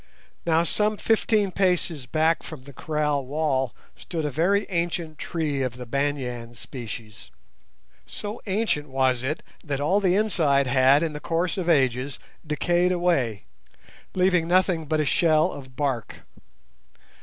Now some fifteen paces back from the kraal wall stood a very ancient tree of the banyan species. So ancient was it that all the inside had in the course of ages decayed away, leaving nothing but a shell of bark.